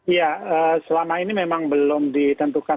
ya selama ini memang belum ditentukan